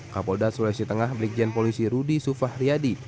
kapol dasulawesi tengah berikjian polisi rudi sufah riadi